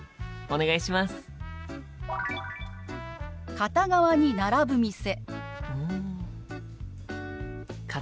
片側に並ぶ店。